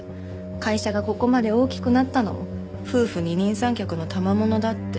会社がここまで大きくなったのも夫婦二人三脚のたまものだって。